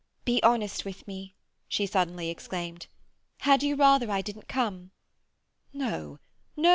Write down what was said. "Be honest with me," she suddenly exclaimed. "Had you rather I didn't come?" "No, no!